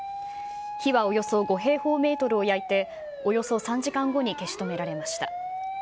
火はおよそ５平方メートルを焼いて、およそ３時間後に消し止められました。